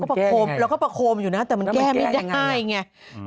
ประโคมเราก็ประโคมอยู่นะแต่มันแก้ไม่ได้ไง